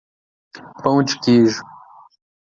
Pão de queijo.